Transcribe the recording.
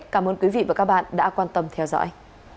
cảm ơn các bạn đã quan tâm theo dõi